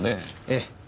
ええ。